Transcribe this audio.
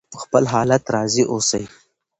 په خپل حالت راضي اوسئ.